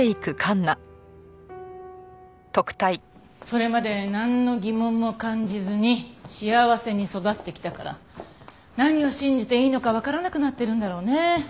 それまでなんの疑問も感じずに幸せに育ってきたから何を信じていいのかわからなくなってるんだろうね。